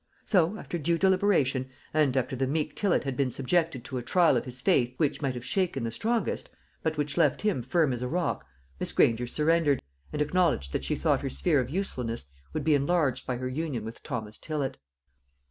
So, after due deliberation, and after the meek Tillott had been subjected to a trial of his faith which might have shaken the strongest, but which left him firm as a rock, Miss Granger surrendered, and acknowledged that she thought her sphere of usefulness would be enlarged by her union with Thomas Tillott.